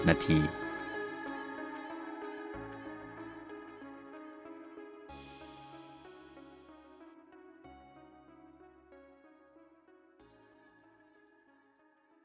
สวัสดีครับ